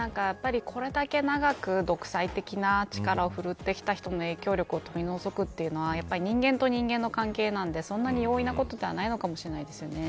これだけ長く、独裁的な力を振るってきた人の影響力を取り除くというのは人間と人間の関係なんでそんなに容易なことではないのかもしれませんね。